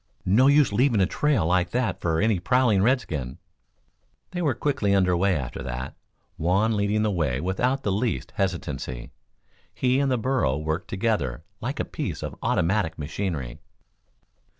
"No use leaving a trail like that for any prowling redskin." They were quickly under way after that, Juan leading the way without the least hesitancy. He and the burro worked together like a piece of automatic machinery.